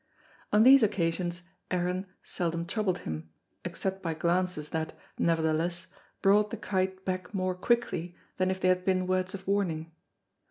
On these occasions Aaron seldom troubled him, except by glances that, nevertheless, brought the kite back more quickly than if they had been words of warning.